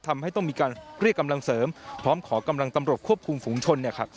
ทำให้ต้องมีการเรียกกำลังเสริมพร้อมขอกำลังตำรวจควบคุมฝุงชนเนี่ยครับ